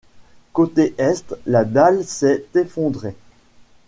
Côté est, la dalle s'est effondrée.